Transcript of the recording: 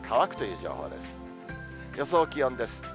予想気温です。